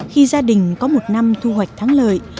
khi gia đình có một năm thu hoạch thắng lợi